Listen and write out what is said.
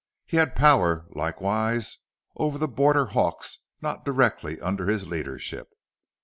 He had power, likewise, over the border hawks not directly under his leadership.